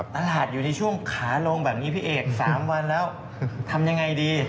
ตลาดอยู่ในช่วงขาลงแบบนี้พี่เอก๓วันแล้วทำยังไงดี